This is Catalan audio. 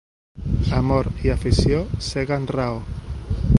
Amor i afició ceguen raó.